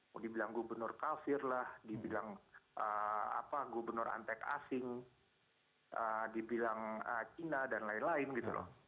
mau dibilang gubernur kafir lah dibilang gubernur antek asing dibilang cina dan lain lain gitu loh